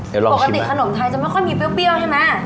ปกติขนมไทยจะไม่ค่อยมีเปรี้ยวใช่ไหม